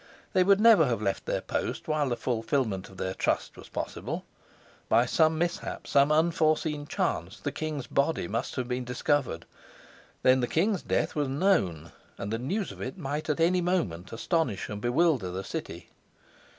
They would never have left their post while the fulfilment of their trust was possible. By some mishap, some unforeseen chance, the king's body must have been discovered. Then the king's death was known, and the news of it might any moment astonish and bewilder the city.